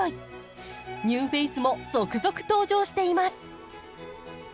ニューフェースも続々登場しています。